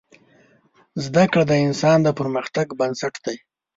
زده کړه د انسان د پرمختګ بنسټ دی.